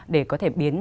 để có thể biến